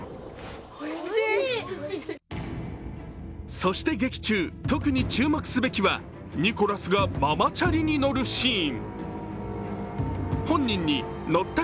そして劇中、特に注目すべきはニコラスがママチャリに乗るシーン。